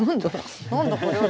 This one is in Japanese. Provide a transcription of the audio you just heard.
何だこれは？